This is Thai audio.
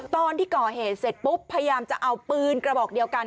ตอนที่ก่อเหตุเสร็จปุ๊บพยายามจะเอาปืนกระบอกเดียวกัน